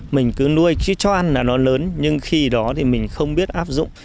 mình cứ nuôi cứ cho ăn là nó lớn nhưng khi đó thì mình không biết áp dụng